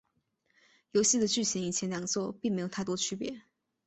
游戏的剧情与前两作并没有太多区别。